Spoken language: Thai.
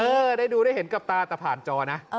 ได้ดูได้เห็นกับตาแต่ผ่านจอนะ